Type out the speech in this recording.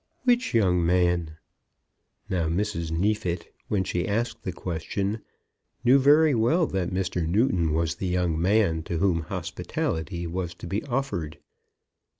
"Which young man?" Now Mrs. Neefit when she asked the question knew very well that Mr. Newton was the young man to whom hospitality was to be offered.